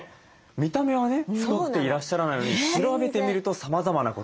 見た目はね太っていらっしゃらないのに調べてみるとさまざまなことが分かると。